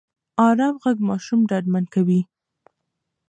ارام غږ ماشوم ډاډمن کوي.